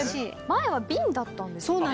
前は瓶だったんですよね。